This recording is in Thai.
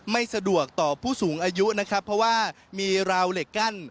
ไม่สะดวกต่อผู้สูงอายุนะครับเพราะว่ามีราวเหล็กกั้น